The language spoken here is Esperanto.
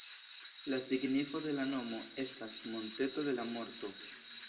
La signifo de la nomo estas ""monteto de la morto"".